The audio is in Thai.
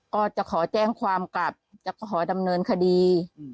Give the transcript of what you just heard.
ก็จะขอแจ้งความกลับจะขอดำเนินคดี